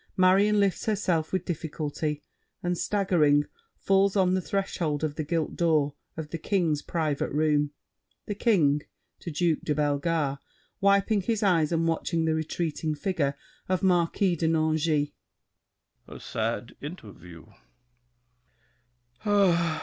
Marion lifts herself with difficulty, and, staggering, falls on the threshold of the gilt door of The King's private room. THE KING (to Duke de Bellegarde, wiping his eyes and watching the retreating figure of Marquis de Nangis). A sad interview!